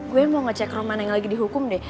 gue mau ngecek romana yang lagi dihukum deh